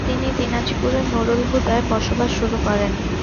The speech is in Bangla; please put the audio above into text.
তিনি দিনাজপুরের নূরুল হুদায় বসবাস শুরু করেন।